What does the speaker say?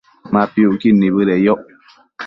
Ma piucquid nibëdeyoc